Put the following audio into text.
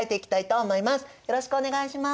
よろしくお願いします。